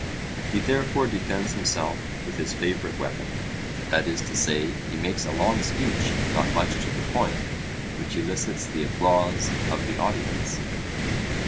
He therefore defends himself with his favourite weapon; that is to say, he makes a long speech not much to the point, which elicits the applause of the audience.